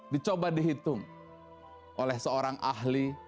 dicoba dihitung oleh seorang ahli